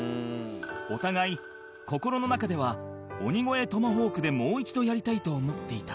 お互い心の中では鬼越トマホークでもう一度やりたいと思っていた